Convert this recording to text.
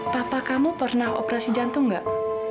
papa kamu pernah operasi jantung enggak